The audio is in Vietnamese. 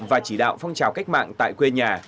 và chỉ đạo phong trào cách mạng tại quê nhà